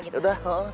yaudah kok gitu